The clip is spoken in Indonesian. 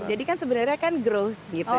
kan sebenarnya kan growth gitu